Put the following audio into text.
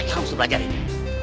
banyak yang harus belajar ini